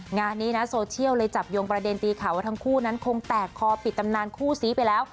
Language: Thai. งานนี้นะโซเชียลเลยจับโยงประเด็นตีข่าวว่าทั้งคู่นั้นคงแตกคอปิดตำนานคู่ซี้ไปแล้ว